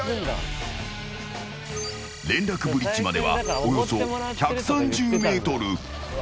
連絡ブリッジまではおよそ１３０ｍ。